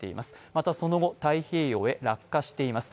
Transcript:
またその後、太平洋へ落下しています。